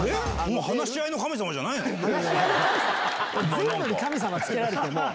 全部に「神様」付けられても。